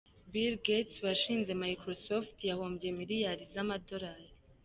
Bill Gates, washinze Microsoft, yahombye miliyari z’amadolari.